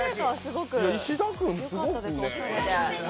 石田君、すごくね。